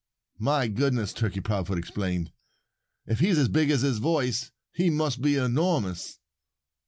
"My goodness!" Turkey Proudfoot exclaimed. "If he's as big as his voice he must be enormous."